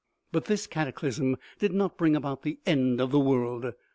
But this cataclysm did not bring about the end of the world.